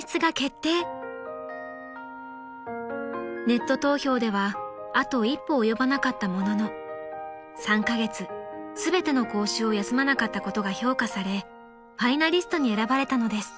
［ネット投票ではあと一歩及ばなかったものの３カ月全ての講習を休まなかったことが評価されファイナリストに選ばれたのです］